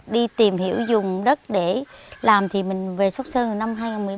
đi tìm hiểu dùng đất để làm thì mình về sốc sơn năm hai nghìn một mươi ba